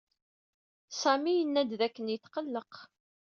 Sami yenna-d dakken yetqelleq.